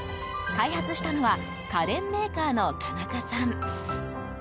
開発したのは家電メーカーの田中さん。